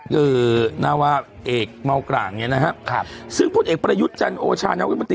คือนาวาเอกเมากร่างเนี่ยนะครับซึ่งพลเอกประยุทธ์จันโอชานาวิมนตรี